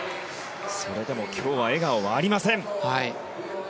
それでも今日は笑顔はありません。